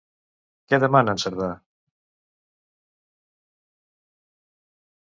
Què demana en Cerdà?